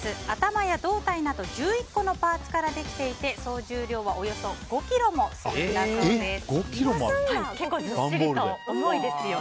頭や胴体など１１個のパーツからできていて総重量はおよそ５ｋｇもあるそうです。